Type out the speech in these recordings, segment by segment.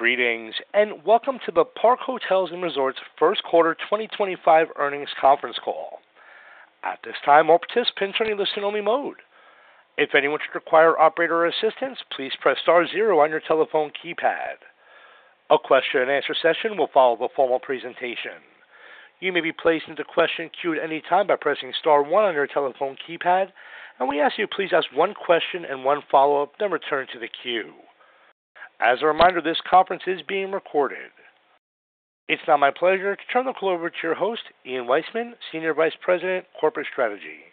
Greetings, and welcome to the Park Hotels & Resorts First Quarter 2025 Earnings Conference Call. At this time, all participants are in the listen-only mode. If anyone should require operator assistance, please press star zero on your telephone keypad. A question-and-answer session will follow the formal presentation. You may be placed into the question queue at any time by pressing star one on your telephone keypad, and we ask that you please ask one question and one follow-up, then return to the queue. As a reminder, this conference is being recorded. It's now my pleasure to turn the call over to your host, Ian Weissman, Senior Vice President, Corporate Strategy.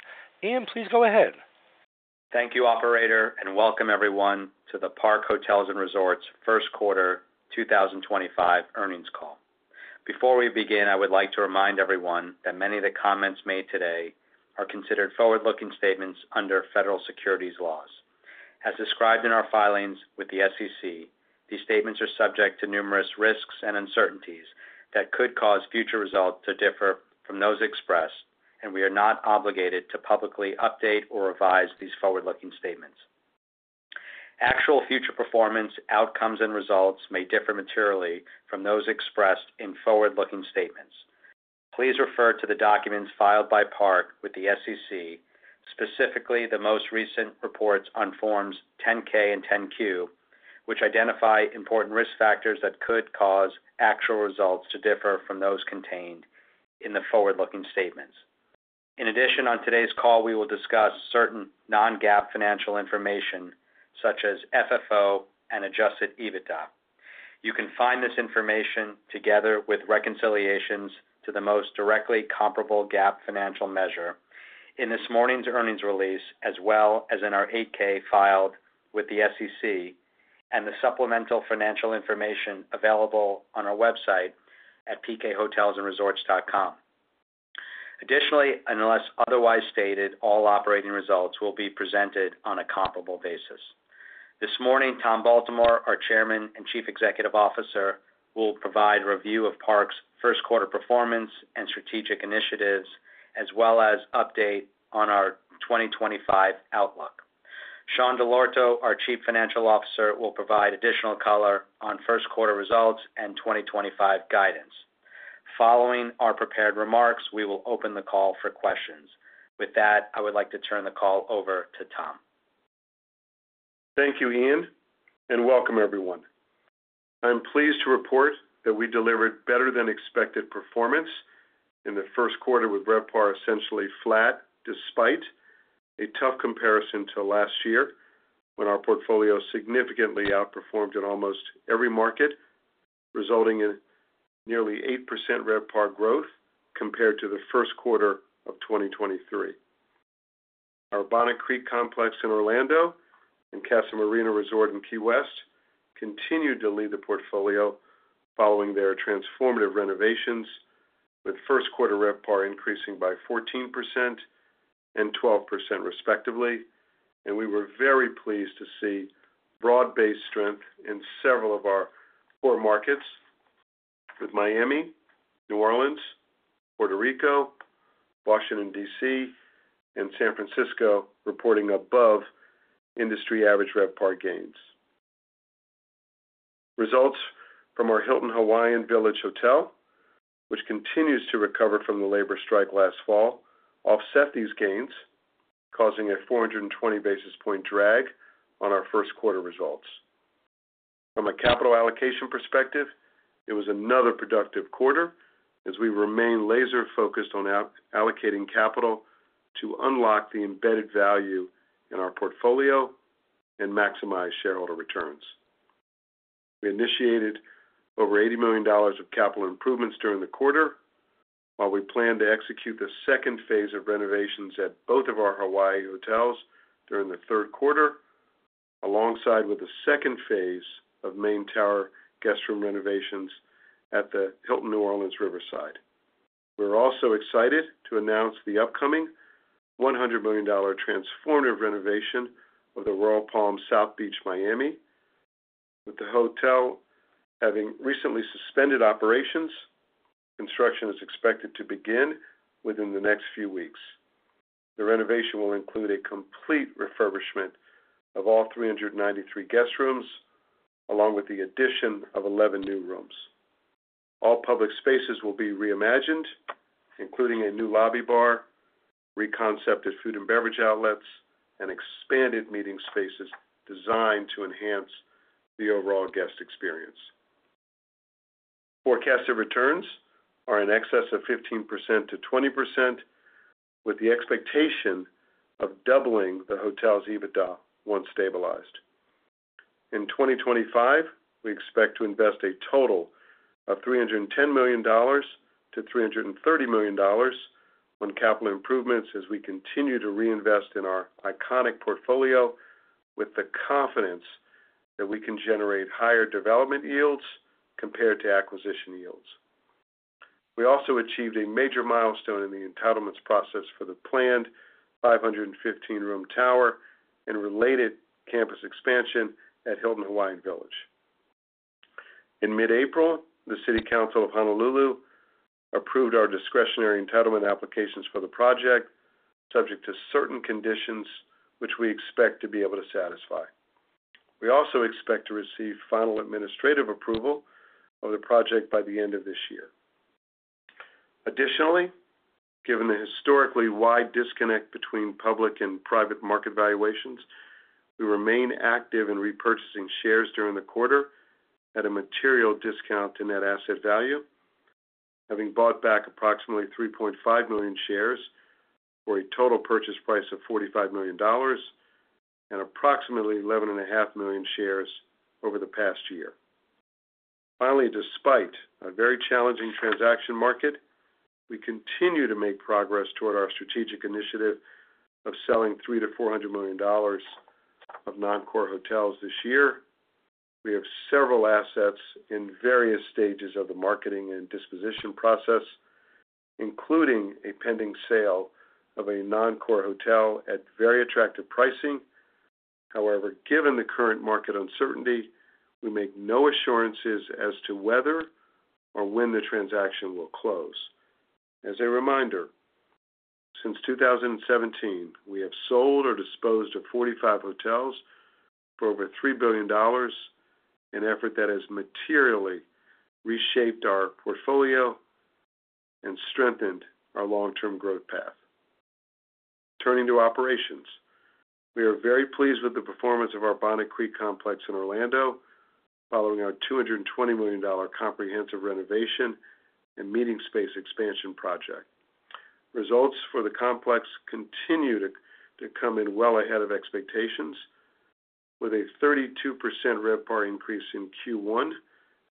Ian, please go ahead. Thank you, Operator, and welcome everyone to the Park Hotels & Resorts First Quarter 2025 Earnings Call. Before we begin, I would like to remind everyone that many of the comments made today are considered forward-looking statements under federal securities laws. As described in our filings with the SEC, these statements are subject to numerous risks and uncertainties that could cause future results to differ from those expressed, and we are not obligated to publicly update or revise these forward-looking statements. Actual future performance outcomes and results may differ materially from those expressed in forward-looking statements. Please refer to the documents filed by Park with the SEC, specifically the most recent reports on forms 10-K and 10-Q, which identify important risk factors that could cause actual results to differ from those contained in the forward-looking statements. In addition, on today's call, we will discuss certain non-GAAP financial information such as FFO and adjusted EBITDA. You can find this information together with reconciliations to the most directly comparable GAAP financial measure in this morning's earnings release, as well as in our 8-K filed with the SEC and the supplemental financial information available on our website at pkhotelsandresorts.com. Additionally, unless otherwise stated, all operating results will be presented on a comparable basis. This morning, Tom Baltimore, our Chairman and Chief Executive Officer, will provide a review of Park's first-quarter performance and strategic initiatives, as well as an update on our 2025 outlook. Sean Dell'Orto, our Chief Financial Officer, will provide additional color on first-quarter results and 2025 guidance. Following our prepared remarks, we will open the call for questions. With that, I would like to turn the call over to Tom. Thank you, Ian, and welcome everyone. I'm pleased to report that we delivered better-than-expected performance in the first quarter, with RevPAR essentially flat despite a tough comparison to last year when our portfolio significantly outperformed in almost every market, resulting in nearly 8% RevPAR growth compared to the first quarter of 2023. Our Bonnet Creek complex in Orlando and Casa Marina Resort in Key West continued to lead the portfolio following their transformative renovations, with first-quarter RevPAR increasing by 14% and 12% respectively. We were very pleased to see broad-based strength in several of our core markets, with Miami, New Orleans, Puerto Rico, Washington, D.C., and San Francisco reporting above-industry average RevPAR gains. Results from our Hilton Hawaiian Village Hotel, which continues to recover from the labor strike last fall, offset these gains, causing a 420-basis-point drag on our first-quarter results. From a capital allocation perspective, it was another productive quarter as we remained laser-focused on allocating capital to unlock the embedded value in our portfolio and maximize shareholder returns. We initiated over $80 million of capital improvements during the quarter, while we plan to execute the second phase of renovations at both of our Hawaii hotels during the third quarter, alongside the second phase of Main Tower guestroom renovations at the Hilton New Orleans Riverside. We are also excited to announce the upcoming $100 million transformative renovation of the Royal Palm South Beach Miami, with the hotel having recently suspended operations. Construction is expected to begin within the next few weeks. The renovation will include a complete refurbishment of all 393 guestrooms, along with the addition of 11 new rooms. All public spaces will be reimagined, including a new lobby bar, reconcepted food and beverage outlets, and expanded meeting spaces designed to enhance the overall guest experience. Forecasted returns are in excess of 15%-20%, with the expectation of doubling the hotel's EBITDA once stabilized. In 2025, we expect to invest a total of $310 million-$330 million on capital improvements as we continue to reinvest in our iconic portfolio, with the confidence that we can generate higher development yields compared to acquisition yields. We also achieved a major milestone in the entitlements process for the planned 515-room tower and related campus expansion at Hilton Hawaiian Village. In mid-April, the City Council of Honolulu approved our discretionary entitlement applications for the project, subject to certain conditions which we expect to be able to satisfy. We also expect to receive final administrative approval of the project by the end of this year. Additionally, given the historically wide disconnect between public and private market valuations, we remain active in repurchasing shares during the quarter at a material discount to net asset value, having bought back approximately 3.5 million shares for a total purchase price of $45 million and approximately 11.5 million shares over the past year. Finally, despite a very challenging transaction market, we continue to make progress toward our strategic initiative of selling $300 million-$400 million of non-core hotels this year. We have several assets in various stages of the marketing and disposition process, including a pending sale of a non-core hotel at very attractive pricing. However, given the current market uncertainty, we make no assurances as to whether or when the transaction will close. As a reminder, since 2017, we have sold or disposed of 45 hotels for over $3 billion, an effort that has materially reshaped our portfolio and strengthened our long-term growth path. Turning to operations, we are very pleased with the performance of our Bonnet Creek complex in Orlando following our $220 million comprehensive renovation and meeting space expansion project. Results for the complex continue to come in well ahead of expectations, with a 32% RevPAR increase in Q1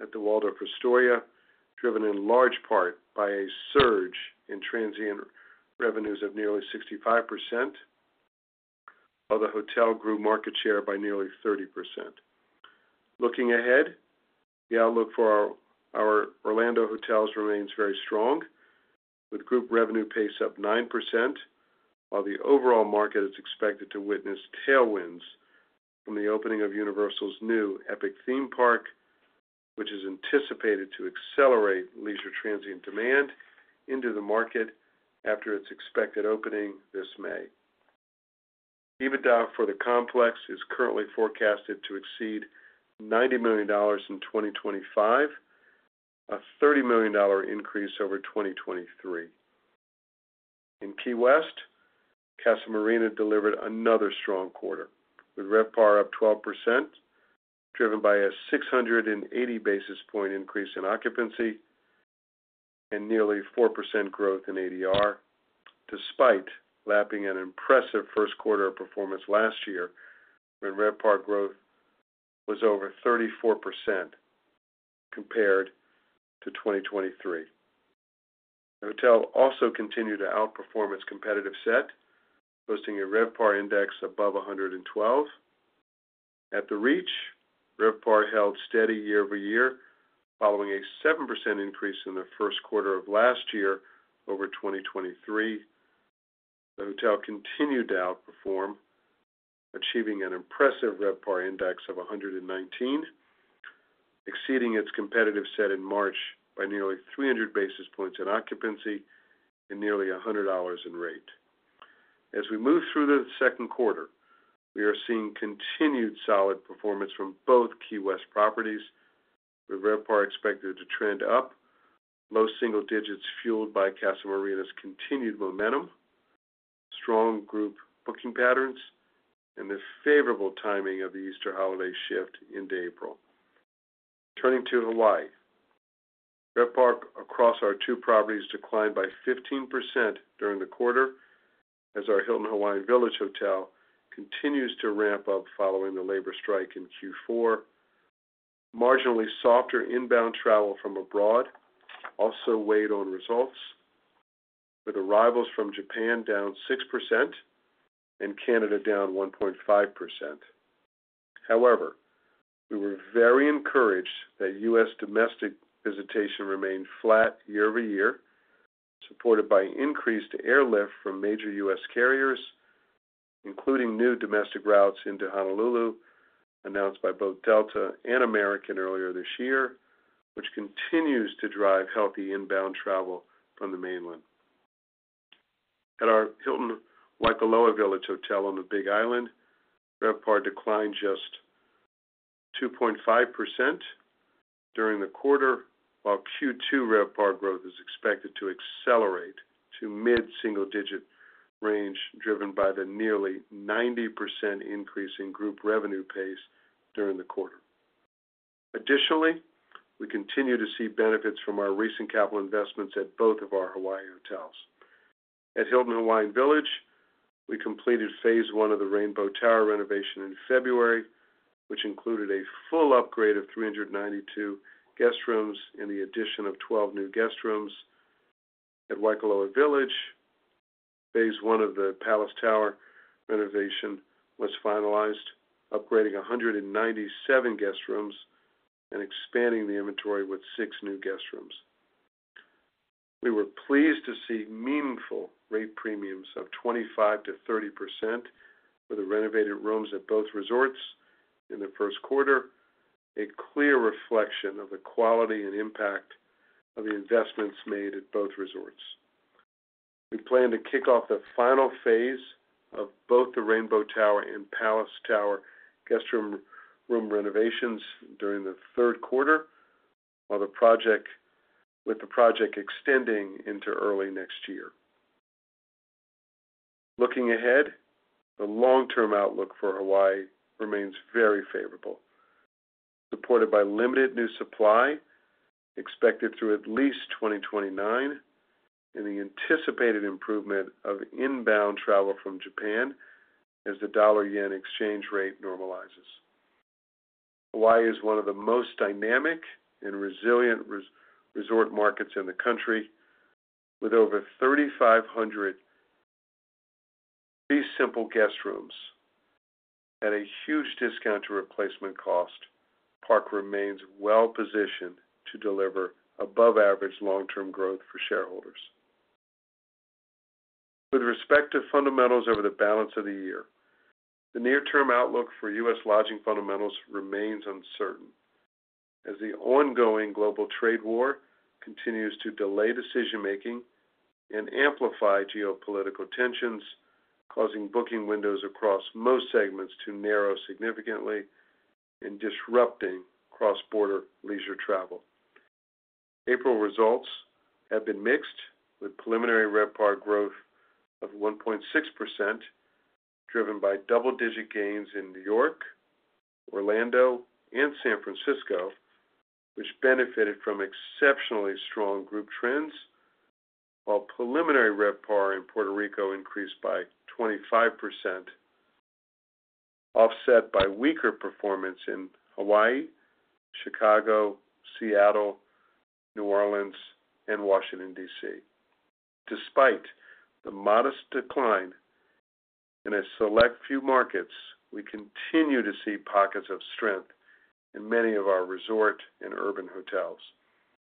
at the Waldorf Astoria, driven in large part by a surge in transient revenues of nearly 65%, while the hotel grew market share by nearly 30%. Looking ahead, the outlook for our Orlando hotels remains very strong, with group revenue pace up 9%, while the overall market is expected to witness tailwinds from the opening of Universal's new Epic Theme Park, which is anticipated to accelerate leisure transient demand into the market after its expected opening this May. EBITDA for the complex is currently forecasted to exceed $90 million in 2025, a $30 million increase over 2023. In Key West, Casa Marina delivered another strong quarter, with RevPAR up 12%, driven by a 680-basis-point increase in occupancy and nearly 4% growth in ADR. Despite lapping an impressive first-quarter performance last year, RevPAR growth was over 34% compared to 2023. The hotel also continued to outperform its competitive set, posting a RevPAR index above 112. At The Reach, RevPAR held steady year-over-year, following a 7% increase in the first quarter of last year over 2023. The hotel continued to outperform, achieving an impressive RevPAR index of 119, exceeding its competitive set in March by nearly 300 basis points in occupancy and nearly $100 in rate. As we move through the second quarter, we are seeing continued solid performance from both Key West properties, with RevPAR expected to trend up, low single digits fueled by Casa Marina's continued momentum, strong group booking patterns, and the favorable timing of the Easter holiday shift into April. Turning to Hawaii, RevPAR across our two properties declined by 15% during the quarter, as our Hilton Hawaiian Village Hotel continues to ramp up following the labor strike in Q4. Marginally softer inbound travel from abroad also weighed on results, with arrivals from Japan down 6% and Canada down 1.5%. However, we were very encouraged that U.S. domestic visitation remained flat year-over-year, supported by increased airlift from major U.S. carriers, including new domestic routes into Honolulu announced by both Delta and American earlier this year, which continues to drive healthy inbound travel from the mainland. At our Hilton Waikoloa Village Hotel on the Big Island, RevPAR declined just 2.5% during the quarter, while Q2 RevPAR growth is expected to accelerate to mid-single-digit range, driven by the nearly 90% increase in group revenue pace during the quarter. Additionally, we continue to see benefits from our recent capital investments at both of our Hawaii hotels. At Hilton Hawaiian Village, we completed phase one of the Rainbow Tower renovation in February, which included a full upgrade of 392 guestrooms and the addition of 12 new guestrooms. At Waikoloa Village, phase one of the Palace Tower renovation was finalized, upgrading 197 guestrooms and expanding the inventory with six new guestrooms. We were pleased to see meaningful rate premiums of 25%-30% for the renovated rooms at both resorts in the first quarter, a clear reflection of the quality and impact of the investments made at both resorts. We plan to kick off the final phase of both the Rainbow Tower and Palace Tower guestroom room renovations during the third quarter, with the project extending into early next year. Looking ahead, the long-term outlook for Hawaii remains very favorable, supported by limited new supply expected through at least 2029 and the anticipated improvement of inbound travel from Japan as the dollar/yen exchange rate normalizes. Hawaii is one of the most dynamic and resilient resort markets in the country. With over 3,500 fee-simple guestrooms at a huge discount to replacement cost, Park remains well-positioned to deliver above-average long-term growth for shareholders. With respect to fundamentals over the balance of the year, the near-term outlook for U.S. lodging fundamentals remains uncertain, as the ongoing global trade war continues to delay decision-making and amplify geopolitical tensions, causing booking windows across most segments to narrow significantly and disrupting cross-border leisure travel. April results have been mixed, with preliminary RevPAR growth of 1.6%, driven by double-digit gains in New York, Orlando, and San Francisco, which benefited from exceptionally strong group trends, while preliminary RevPAR in Puerto Rico increased by 25%, offset by weaker performance in Hawaii, Chicago, Seattle, New Orleans, and Washington, D.C. Despite the modest decline in a select few markets, we continue to see pockets of strength in many of our resort and urban hotels.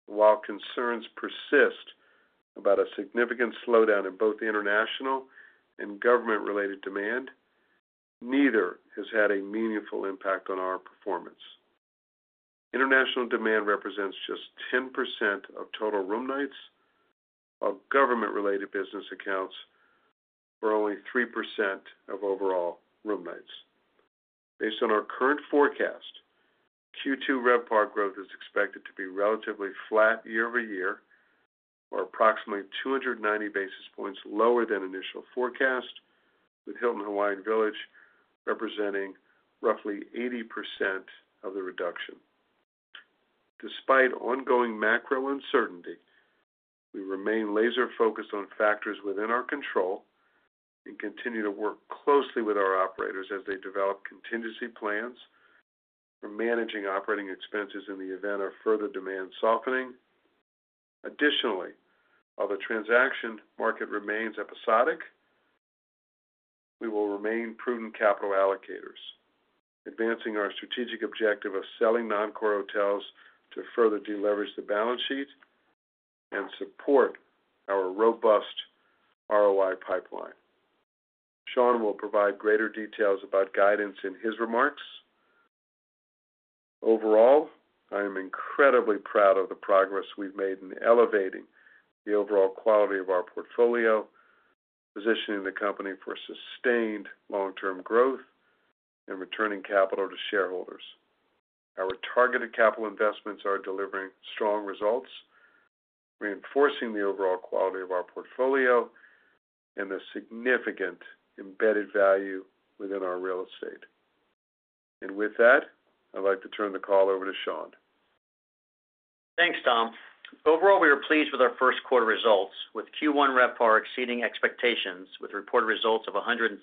While concerns persist about a significant slowdown in both international and government-related demand, neither has had a meaningful impact on our performance. International demand represents just 10% of total room nights, while government-related business accounts were only 3% of overall room nights. Based on our current forecast, Q2 RevPAR growth is expected to be relatively flat year-over-year, or approximately 290 basis points lower than initial forecast, with Hilton Hawaiian Village representing roughly 80% of the reduction. Despite ongoing macro uncertainty, we remain laser-focused on factors within our control and continue to work closely with our operators as they develop contingency plans for managing operating expenses in the event of further demand softening. Additionally, while the transaction market remains episodic, we will remain prudent capital allocators, advancing our strategic objective of selling non-core hotels to further deleverage the balance sheet and support our robust ROI pipeline. Sean will provide greater details about guidance in his remarks. Overall, I am incredibly proud of the progress we've made in elevating the overall quality of our portfolio, positioning the company for sustained long-term growth, and returning capital to shareholders. Our targeted capital investments are delivering strong results, reinforcing the overall quality of our portfolio and the significant embedded value within our real estate. With that, I'd like to turn the call over to Sean. Thanks, Tom. Overall, we are pleased with our first-quarter results, with Q1 RevPAR exceeding expectations, with reported results of $178,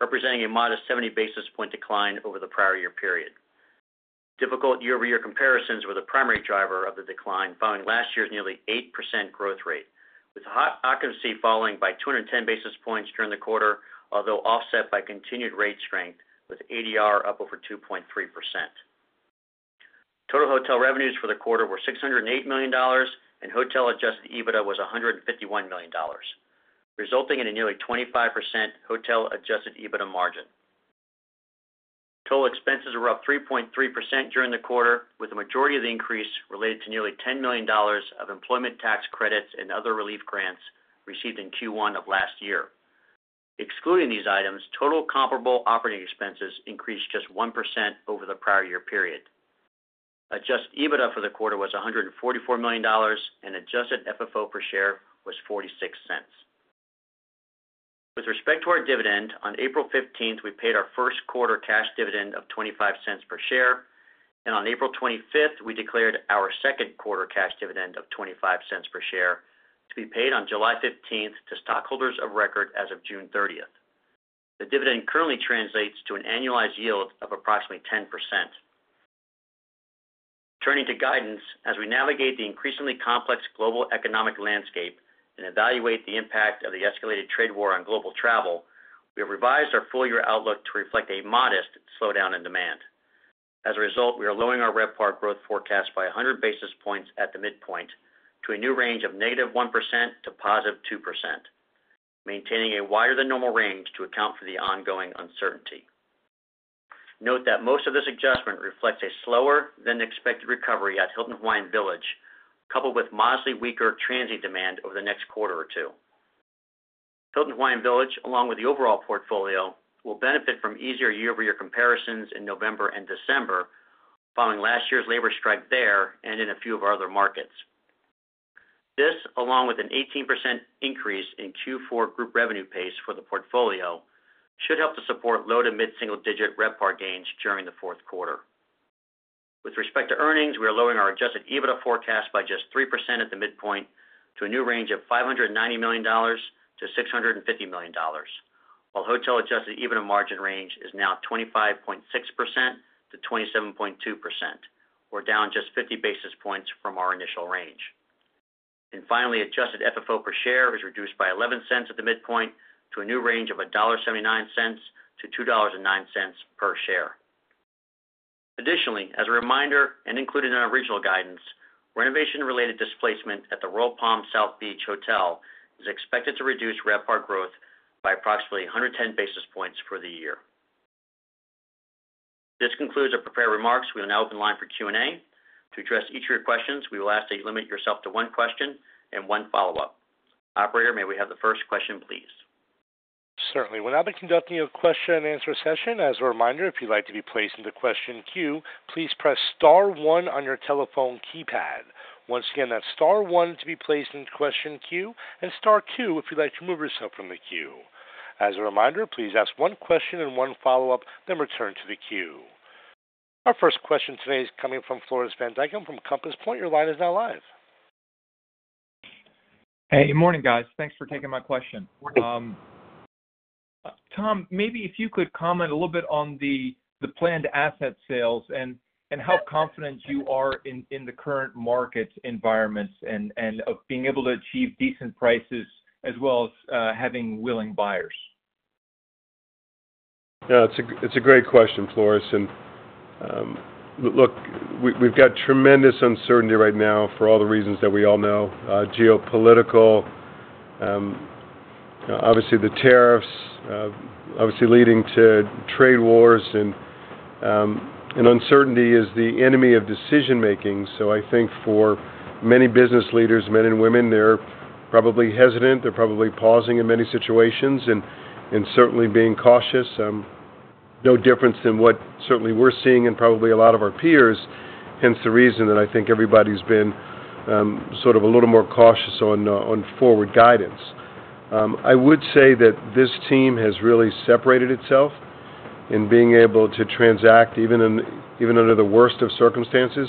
representing a modest 70 basis point decline over the prior year period. Difficult year-over-year comparisons were the primary driver of the decline, following last year's nearly 8% growth rate, with occupancy falling by 210 basis points during the quarter, although offset by continued rate strength, with ADR up over 2.3%. Total hotel revenues for the quarter were $608 million, and hotel-adjusted EBITDA was $151 million, resulting in a nearly 25% hotel-adjusted EBITDA margin. Total expenses were up 3.3% during the quarter, with the majority of the increase related to nearly $10 million of employment tax credits and other relief grants received in Q1 of last year. Excluding these items, total comparable operating expenses increased just 1% over the prior year period. Adjusted EBITDA for the quarter was $144 million, and adjusted FFO per share was $0.46. With respect to our dividend, on April 15th, we paid our first-quarter cash dividend of $0.25 per share, and on April 25th, we declared our second-quarter cash dividend of $0.25 per share to be paid on July 15th to stockholders of record as of June 30th. The dividend currently translates to an annualized yield of approximately 10%. Turning to guidance, as we navigate the increasingly complex global economic landscape and evaluate the impact of the escalated trade war on global travel, we have revised our full-year outlook to reflect a modest slowdown in demand. As a result, we are lowering our RevPAR growth forecast by 100 basis points at the midpoint to a new range of -1% to +2%, maintaining a wider-than-normal range to account for the ongoing uncertainty. Note that most of this adjustment reflects a slower-than-expected recovery at Hilton Hawaiian Village, coupled with modestly weaker transient demand over the next quarter or two. Hilton Hawaiian Village, along with the overall portfolio, will benefit from easier year-over-year comparisons in November and December, following last year's labor strike there and in a few of our other markets. This, along with an 18% increase in Q4 group revenue pace for the portfolio, should help to support low to mid-single-digit RevPAR gains during the fourth quarter. With respect to earnings, we are lowering our adjusted EBITDA forecast by just 3% at the midpoint to a new range of $590 million-$650 million, while hotel-adjusted EBITDA margin range is now 25.6%-27.2%, or down just 50 basis points from our initial range. Finally, adjusted FFO per share is reduced by $0.11 at the midpoint to a new range of $1.79-$2.09 per share. Additionally, as a reminder and included in our original guidance, renovation-related displacement at the Royal Palm South Beach Hotel is expected to reduce RevPAR growth by approximately 110 basis points for the year. This concludes our prepared remarks. We will now open the line for Q&A. To address each of your questions, we will ask that you limit yourself to one question and one follow-up. Operator, may we have the first question, please? Certainly. We'll now be conducting a question-and-answer session. As a reminder, if you'd like to be placed into question queue, please press star one on your telephone keypad. Once again, that's star one to be placed into question queue and star two if you'd like to move yourself from the queue. As a reminder, please ask one question and one follow-up, then return to the queue. Our first question today is coming from Floris van Dijkum from Compass Point. Your line is now live. Hey. Good morning, guys. Thanks for taking my question. Tom, maybe if you could comment a little bit on the planned asset sales and how confident you are in the current market environments and of being able to achieve decent prices as well as having willing buyers. Yeah, it's a great question, Floris. Look, we've got tremendous uncertainty right now for all the reasons that we all know: geopolitical, obviously the tariffs, obviously leading to trade wars. Uncertainty is the enemy of decision-making. I think for many business leaders, men and women, they're probably hesitant. They're probably pausing in many situations and certainly being cautious. No difference in what certainly we're seeing and probably a lot of our peers. Hence the reason that I think everybody's been sort of a little more cautious on forward guidance. I would say that this team has really separated itself in being able to transact even under the worst of circumstances.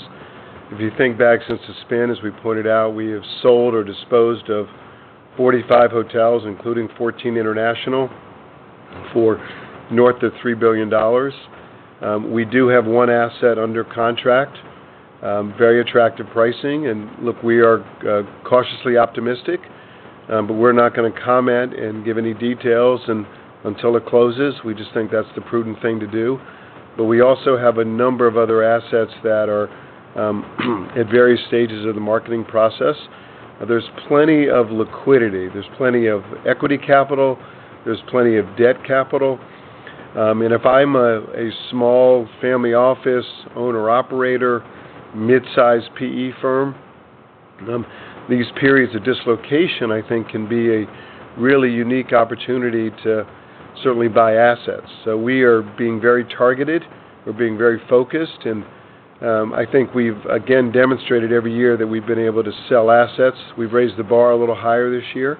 If you think back since the spin, as we pointed out, we have sold or disposed of 45 hotels, including 14 international, for north of $3 billion. We do have one asset under contract, very attractive pricing. Look, we are cautiously optimistic, but we're not going to comment and give any details until it closes. We just think that's the prudent thing to do. We also have a number of other assets that are at various stages of the marketing process. There's plenty of liquidity. There's plenty of equity capital. There's plenty of debt capital. If I'm a small family office owner-operator, midsize PE firm, these periods of dislocation, I think, can be a really unique opportunity to certainly buy assets. We are being very targeted. We're being very focused. I think we've, again, demonstrated every year that we've been able to sell assets. We've raised the bar a little higher this year,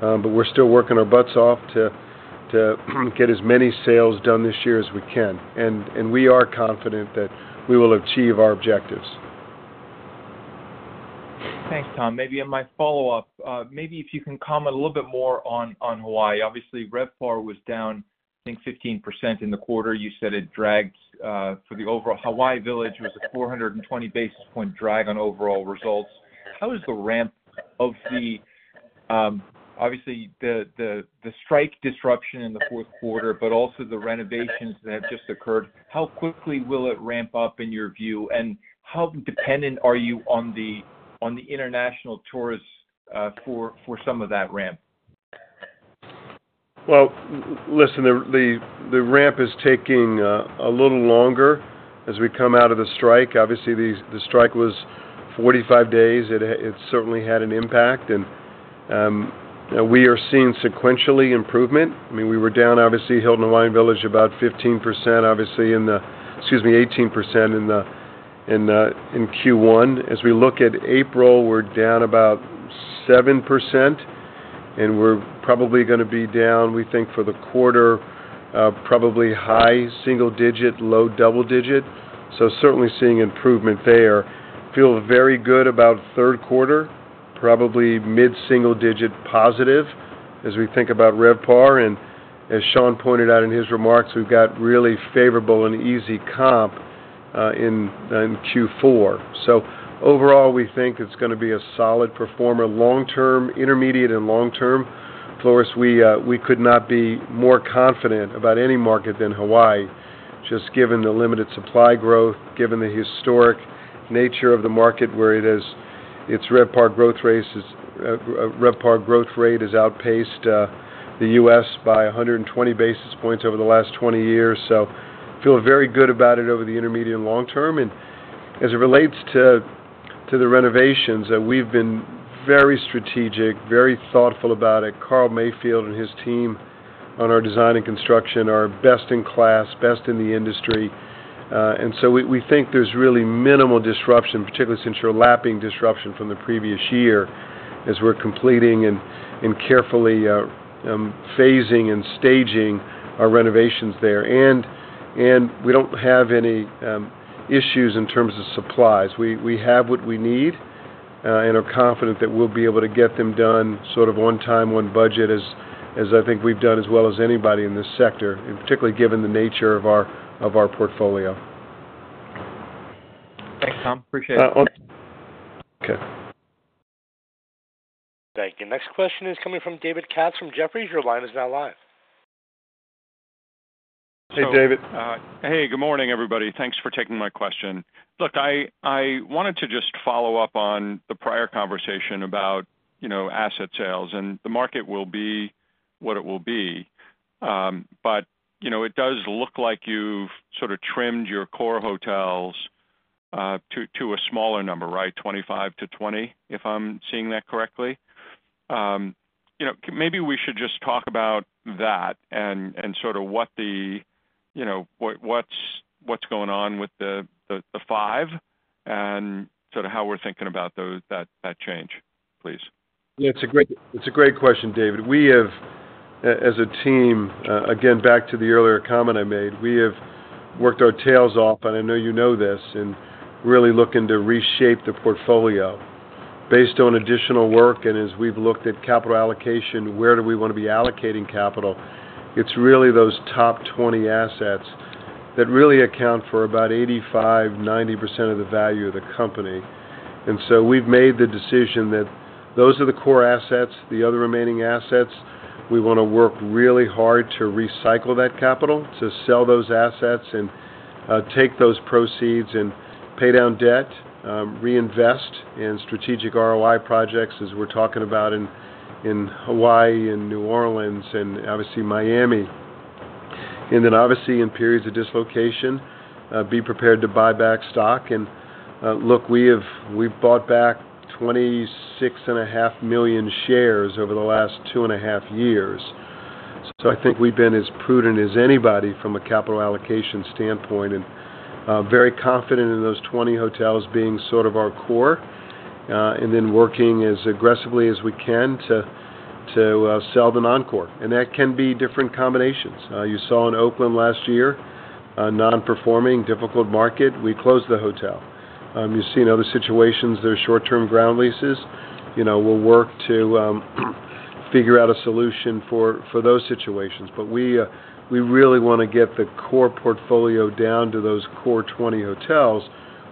but we're still working our butts off to get as many sales done this year as we can. We are confident that we will achieve our objectives. Thanks, Tom. Maybe in my follow-up, maybe if you can comment a little bit more on Hawaii. Obviously, RevPAR was down, I think, 15% in the quarter. You said it dragged for the overall Hawaii Village. It was a 420-basis-point drag on overall results. How is the ramp of the, obviously, the strike disruption in the fourth quarter, but also the renovations that have just occurred? How quickly will it ramp up in your view? How dependent are you on the international tourists for some of that ramp? Listen, the ramp is taking a little longer as we come out of the strike. Obviously, the strike was 45 days. It certainly had an impact. We are seeing sequentially improvement. I mean, we were down, obviously, Hilton Hawaiian Village about 15%, excuse me, 18% in Q1. As we look at April, we're down about 7%. We're probably going to be down, we think, for the quarter, probably high single-digit, low double-digit. Certainly seeing improvement there. Feel very good about third quarter, probably mid-single-digit positive as we think about RevPAR. As Sean pointed out in his remarks, we've got really favorable and easy comp in Q4. Overall, we think it's going to be a solid performer long-term, intermediate, and long-term. Flores, we could not be more confident about any market than Hawaii, just given the limited supply growth, given the historic nature of the market where its RevPAR growth rate has outpaced the U.S. by 120 basis points over the last 20 years. We feel very good about it over the intermediate and long-term. As it relates to the renovations, we have been very strategic, very thoughtful about it. Carl Mayfield and his team on our design and construction are best in class, best in the industry. We think there is really minimal disruption, particularly since we are lapping disruption from the previous year as we are completing and carefully phasing and staging our renovations there. We do not have any issues in terms of supplies. We have what we need, and I'm confident that we'll be able to get them done sort of on time, on budget, as I think we've done as well as anybody in this sector, particularly given the nature of our portfolio. Thanks, Tom. Appreciate it. Okay. Thank you. Next question is coming from David Katz from Jefferies. Your line is now live. Hey, David. Hey. Good morning, everybody. Thanks for taking my question. Look, I wanted to just follow up on the prior conversation about asset sales. The market will be what it will be. It does look like you've sort of trimmed your core hotels to a smaller number, right? 25-20, if I'm seeing that correctly. Maybe we should just talk about that and sort of what's going on with the five and sort of how we're thinking about that change, please. Yeah. It's a great question, David. We have, as a team, again, back to the earlier comment I made, we have worked our tails off, and I know you know this, and really looking to reshape the portfolio based on additional work. As we've looked at capital allocation, where do we want to be allocating capital? It's really those top 20 assets that really account for about 85%-90% of the value of the company. We have made the decision that those are the core assets. The other remaining assets, we want to work really hard to recycle that capital, to sell those assets and take those proceeds and pay down debt, reinvest in strategic ROI projects, as we're talking about in Hawaii and New Orleans and obviously Miami. Obviously in periods of dislocation, be prepared to buy back stock. Look, we've bought back 26.5 million shares over the last two and a half years. I think we've been as prudent as anybody from a capital allocation standpoint and very confident in those 20 hotels being sort of our core and then working as aggressively as we can to sell the non-core. That can be different combinations. You saw in Oakland last year, non-performing, difficult market. We closed the hotel. You've seen other situations, there are short-term ground leases. We'll work to figure out a solution for those situations. We really want to get the core portfolio down to those core 20 hotels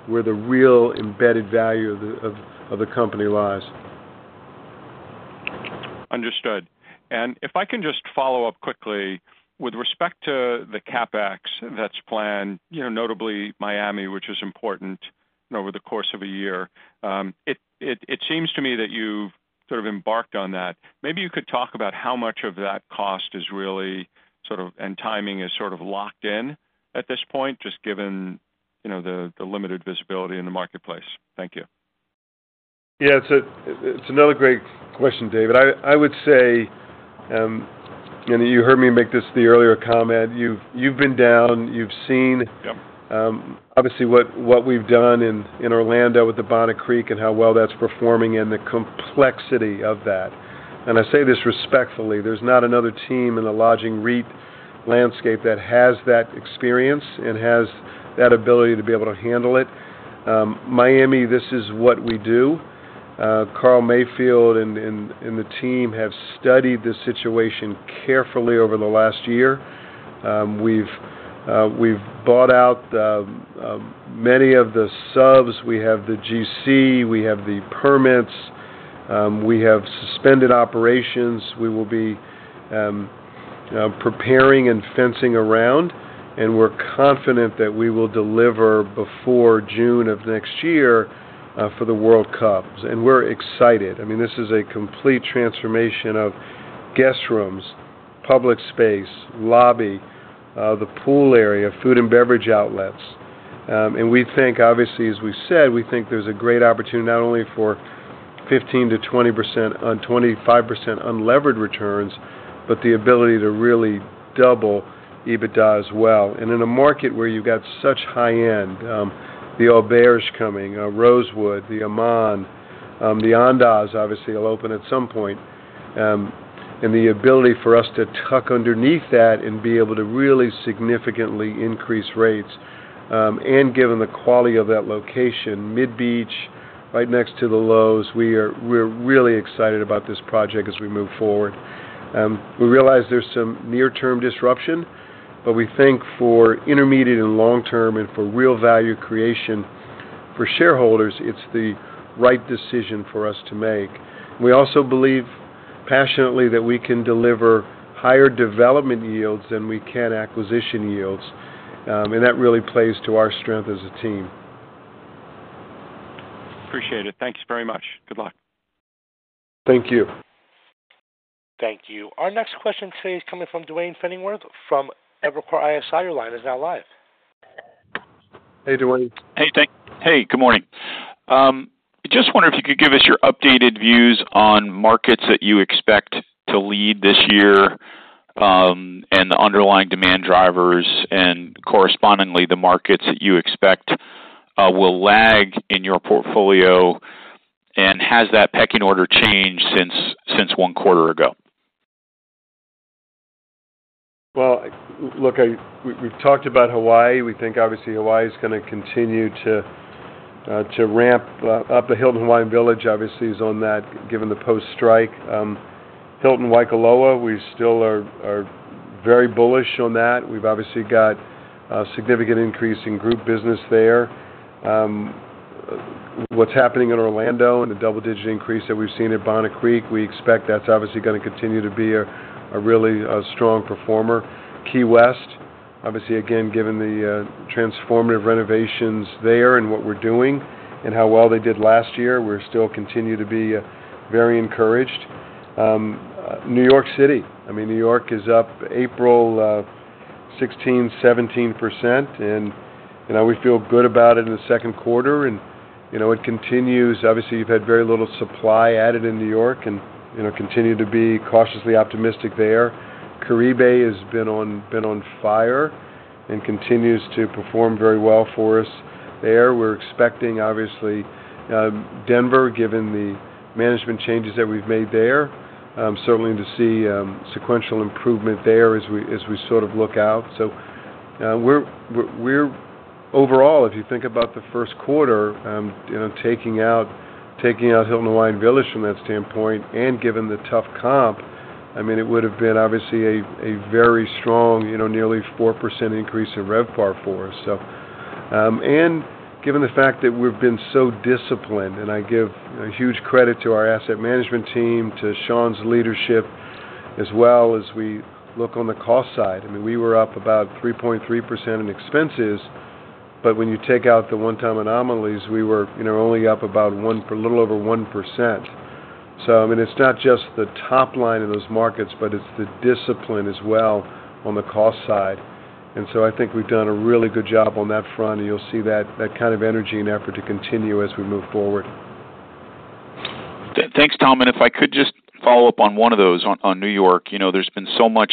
where the real embedded value of the company lies. Understood. If I can just follow up quickly, with respect to the CapEx that's planned, notably Miami, which is important over the course of a year, it seems to me that you've sort of embarked on that. Maybe you could talk about how much of that cost is really sort of and timing is sort of locked in at this point, just given the limited visibility in the marketplace. Thank you. Yeah. It's another great question, David. I would say, and you heard me make this the earlier comment, you've been down. You've seen, obviously, what we've done in Orlando with the Bonnet Creek and how well that's performing and the complexity of that. I say this respectfully. There's not another team in the lodging REIT landscape that has that experience and has that ability to be able to handle it. Miami, this is what we do. Carl Mayfield and the team have studied this situation carefully over the last year. We've bought out many of the subs. We have the GC. We have the permits. We have suspended operations. We will be preparing and fencing around. We're confident that we will deliver before June of next year for the World Cup. We're excited. I mean, this is a complete transformation of guest rooms, public space, lobby, the pool area, food and beverage outlets. We think, obviously, as we said, we think there's a great opportunity not only for 15%-20%, 25% unlevered returns, but the ability to really double EBITDA as well. In a market where you've got such high-end, the Auberge coming, Rosewood, the Aman, the Andaz, obviously, will open at some point. The ability for us to tuck underneath that and be able to really significantly increase rates. Given the quality of that location, Mid-Beach, right next to the Loews, we're really excited about this project as we move forward. We realize there's some near-term disruption, but we think for intermediate and long-term and for real value creation for shareholders, it's the right decision for us to make. We also believe passionately that we can deliver higher development yields than we can acquisition yields. That really plays to our strength as a team. Appreciate it. Thanks very much. Good luck. Thank you. Thank you. Our next question today is coming from Duane Pfennigwerth from Evercore ISI. Your line is now live. Hey, Duane. Hey. Hey. Good morning. Just wondering if you could give us your updated views on markets that you expect to lead this year and the underlying demand drivers and correspondingly the markets that you expect will lag in your portfolio. Has that pecking order changed since one quarter ago? Look, we've talked about Hawaii. We think, obviously, Hawaii is going to continue to ramp up. The Hilton Hawaiian Village, obviously, is on that given the post-strike. Hilton Waikoloa, we still are very bullish on that. We've obviously got a significant increase in group business there. What's happening in Orlando and the double-digit increase that we've seen at Bonnet Creek, we expect that's obviously going to continue to be a really strong performer. Key West, obviously, again, given the transformative renovations there and what we're doing and how well they did last year, we're still continuing to be very encouraged. New York City. I mean, New York is up April, 16%-17%. We feel good about it in the second quarter. It continues. Obviously, you have had very little supply added in New York and continue to be cautiously optimistic there. Caribe has been on fire and continues to perform very well for us there. We are expecting, obviously, Denver, given the management changes that we have made there, certainly to see sequential improvement there as we sort of look out. Overall, if you think about the first quarter, taking out Hilton Hawaiian Village from that standpoint and given the tough comp, I mean, it would have been, obviously, a very strong, nearly 4% increase in RevPAR for us. Given the fact that we have been so disciplined, and I give huge credit to our asset management team, to Sean's leadership, as well as we look on the cost side. I mean, we were up about 3.3% in expenses. But when you take out the one-time anomalies, we were only up about a little over 1%. I mean, it's not just the top line in those markets, but it's the discipline as well on the cost side. I think we've done a really good job on that front. You'll see that kind of energy and effort to continue as we move forward. Thanks, Tom. If I could just follow up on one of those on New York. There's been so much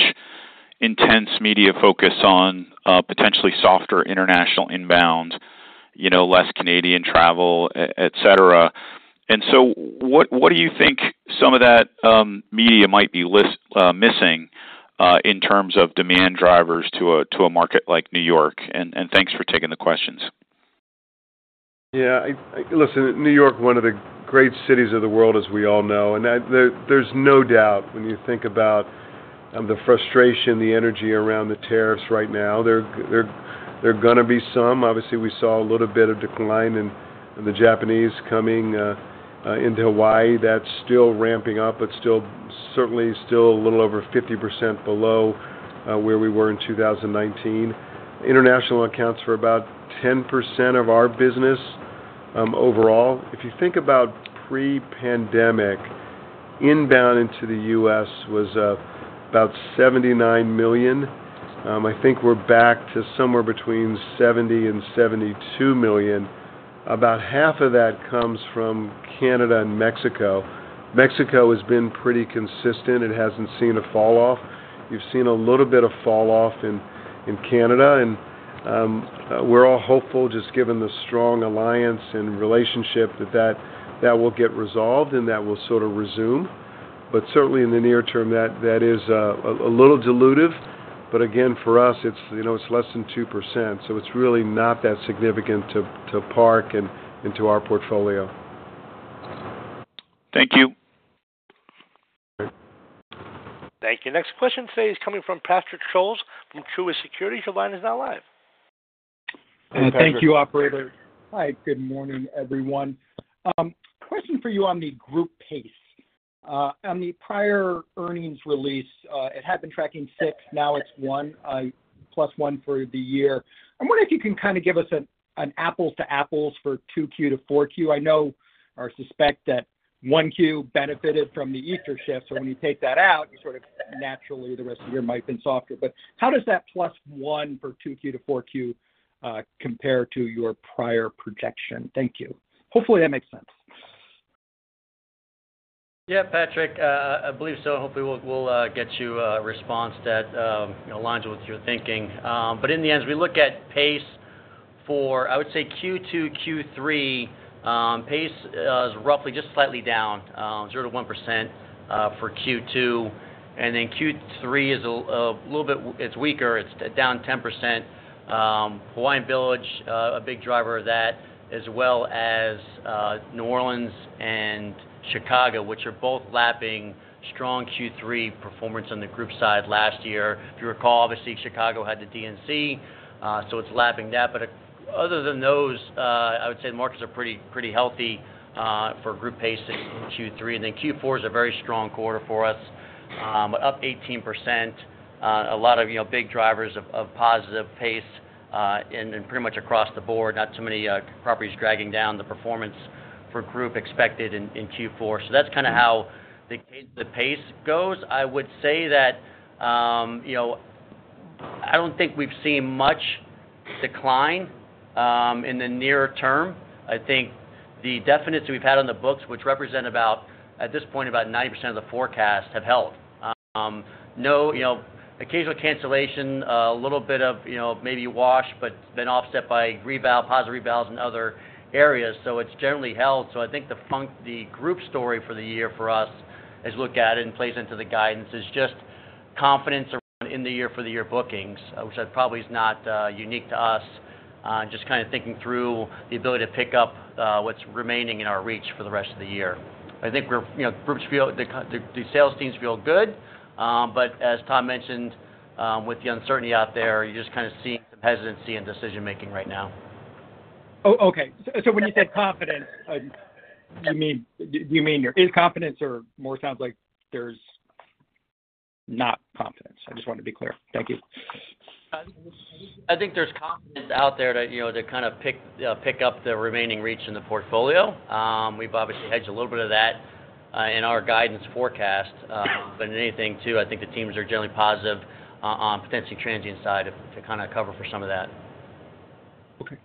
intense media focus on potentially softer international inbound, less Canadian travel, etc. What do you think some of that media might be missing in terms of demand drivers to a market like New York? Thanks for taking the questions. Yeah. Listen, New York, one of the great cities of the world, as we all know. There is no doubt when you think about the frustration, the energy around the tariffs right now. There are going to be some. Obviously, we saw a little bit of decline in the Japanese coming into Hawaii. That is still ramping up, but certainly still a little over 50% below where we were in 2019. International accounts for about 10% of our business overall. If you think about pre-pandemic, inbound into the U.S. was about 79 million. I think we are back to somewhere between 70 million-72 million. About half of that comes from Canada and Mexico. Mexico has been pretty consistent. It has not seen a falloff. You have seen a little bit of falloff in Canada. We are all hopeful, just given the strong alliance and relationship, that that will get resolved and that will sort of resume. Certainly in the near term, that is a little dilutive. Again, for us, it is less than 2%. It is really not that significant to Park in our portfolio. Thank you. Thank you. Next question today is coming from Patrick Scholes from Truist Securities. Your line is now live. Thank you, operator. Hi. Good morning, everyone. Question for you on the group pace. On the prior earnings release, it had been tracking 6%. Now it is 1%, +1% for the year. I am wondering if you can kind of give us an apples-to-apples for 2Q to 4Q. I know or suspect that 1Q benefited from the Easter shift. When you take that out, you sort of naturally, the rest of the year might have been softer. How does that +1% for 2Q to 4Q compare to your prior projection? Thank you. Hopefully, that makes sense. Yeah, Patrick, I believe so. Hopefully, we'll get you a response that aligns with your thinking. In the end, as we look at pace for, I would say, Q2, Q3, pace is roughly just slightly down, 0%-1% for Q2. Q3 is a little bit weaker. It's down 10%. Hawaiian Village, a big driver of that, as well as New Orleans and Chicago, which are both lapping strong Q3 performance on the group side last year. If you recall, obviously, Chicago had the DNC, so it's lapping that. Other than those, I would say the markets are pretty healthy for group pace in Q3. Q4 is a very strong quarter for us, up 18%. A lot of big drivers of positive pace and pretty much across the board. Not too many properties dragging down the performance for group expected in Q4. That is kind of how the pace goes. I would say that I do not think we have seen much decline in the near term. I think the definites we have had on the books, which represent about, at this point, about 90% of the forecast, have held. Occasional cancellation, a little bit of maybe wash, but been offset by rebound, positive rebounds in other areas. It has generally held. I think the group story for the year for us, as we look at it and play into the guidance, is just confidence in the year-for-the-year bookings, which probably is not unique to us. Just kind of thinking through the ability to pick up what's remaining in our reach for the rest of the year. I think the sales teams feel good. As Tom mentioned, with the uncertainty out there, you're just kind of seeing some hesitancy in decision-making right now. Okay. When you said confidence, do you mean there is confidence or more sounds like there's not confidence? I just want to be clear. Thank you. I think there's confidence out there to kind of pick up the remaining reach in the portfolio. We've obviously hedged a little bit of that in our guidance forecast. In anything too, I think the teams are generally positive on potentially transient side to kind of cover for some of that. Okay.